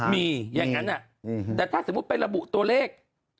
มีอย่างนั้นแต่ถ้าสมมุติไประบุตัวเลข